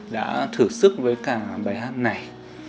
đã thử sức với cả bài hát này